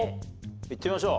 いってみましょう。